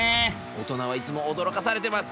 大人はいつもおどろかされてます。